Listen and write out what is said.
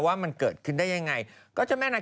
คุณไม่ค่อยเชื่อเรื่องพวกนี้เลยเนอะ